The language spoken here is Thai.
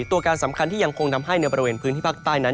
ตัวการสำคัญที่ยังคงทำให้ในบริเวณพื้นที่ภาคใต้นั้น